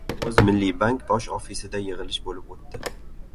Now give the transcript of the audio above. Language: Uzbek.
O‘zmilliybank bosh ofisida yig‘ilish bo‘lib o‘tdi